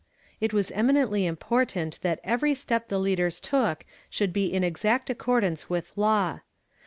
It was eminently important that every step the leadei s took should be in exact accordance with law.